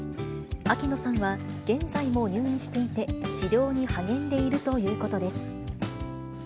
秋野さんは現在も入院していて、治療に励んでいるということです。